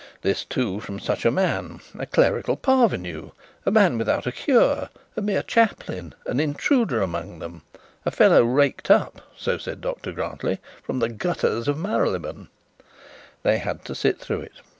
This too from such a man, a clerical parvenu, a man without a cure, a mere chaplain, an intruder among them; a fellow raked up, so said Dr Grantly, from the gutters of Marylebone! They had to sit through it!